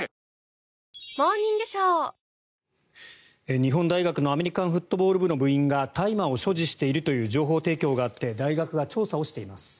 日本大学のアメリカンフットボール部の部員が大麻を所持しているという情報提供があって大学が調査をしています。